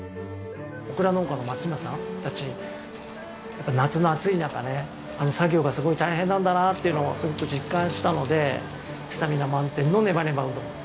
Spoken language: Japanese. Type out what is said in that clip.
オクラ農家の松嶋さんたちやっぱ夏の暑い中ね作業がすごい大変なんだなっていうのをすごく実感したので。